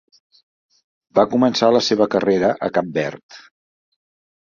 Va començar la seva carrera a Cap Verd.